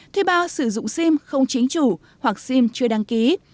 thuê bao sử dụng sim không chính chủ hoặc sim chưa đăng ký